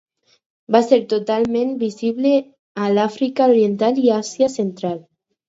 Va ser totalment visible a l'Àfrica Oriental i Àsia Central.